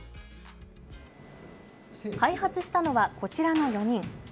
開発したのはこちらの４人。